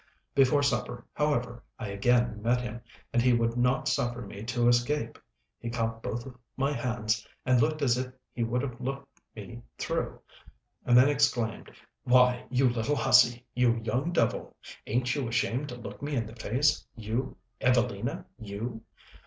Before supper, however, I again met him, and he would not suffer me to escape; he caught both my hands and looked as if he would have looked me through, and then exclaimed, "Why, you little hussy you young devil! ain't you ashamed to look me in the face, you Evelina, you!